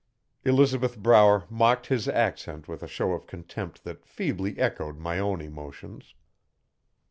Elizabeth Brower mocked his accent with a show of contempt that feebly echoed my own emotions.